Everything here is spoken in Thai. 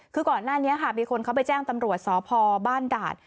คือก่อนหน้านี้ค่ะมีคนเขาไปแจ้งตำรวจสพบ้านด่าน